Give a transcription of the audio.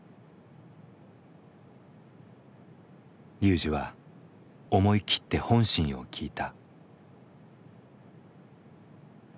ＲＹＵＪＩは思い切って本心を聞いた。